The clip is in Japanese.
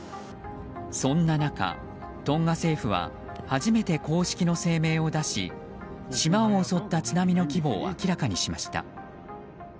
そんな中、トンガ政府は初めて公式の声明を出し島を襲った津波の規模を明らかにしました。